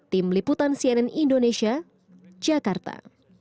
tim liputan cnn indonesia jakarta